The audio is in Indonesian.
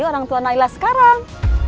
orang tua naila sekarang